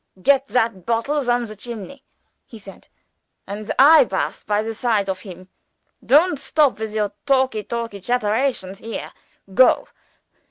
"Get that bottles on the chimney," he said. "And the eye baths by the side of him. Don't stop with your talky talky chatterations here. Go!